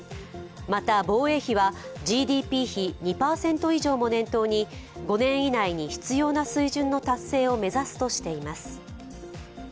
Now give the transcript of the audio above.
また防衛費はＧＤＰ比２％以上も念頭に５年以内に必要な水準の達成を目指すとしています。